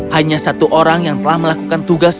hanya satu orang yang telah melakukan tugas